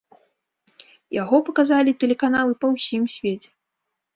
Яго паказалі тэлеканалы па ўсім свеце.